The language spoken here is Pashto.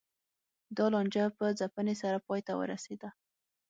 دا لانجه په ځپنې سره پای ته ورسېده.